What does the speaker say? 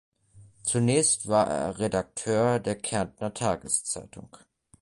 Zunächst war er Redakteur der „Kärntner Tageszeitung“.